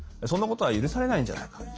そんなことは許されないんじゃないか。